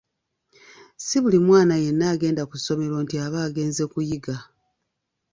Si buli mwana yenna agenda ku ssomero nti aba agenze kuyiga.